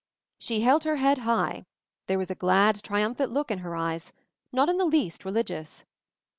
She held her head high, there was a glad triumphant look in her eyes — not in the least religious.